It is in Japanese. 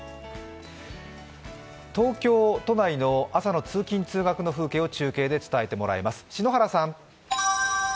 東京都内の朝の通勤・通学の風景を中継で伝えてもらいます。